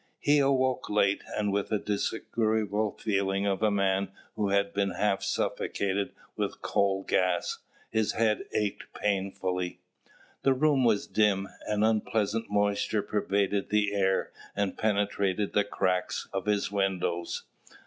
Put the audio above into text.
He awoke late, and with the disagreeable feeling of a man who has been half suffocated with coal gas: his head ached painfully. The room was dim: an unpleasant moisture pervaded the air, and penetrated the cracks of his windows.